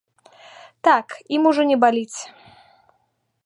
Так, ім ужо не баліць.